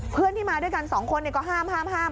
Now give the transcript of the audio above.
เพื่อนที่มาด้วยกันสองคนก็ห้าม